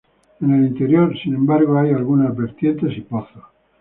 En el interior, sin embargo, hay algunas vertientes y pozos.